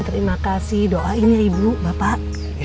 terima kasih doain ya ibu bapak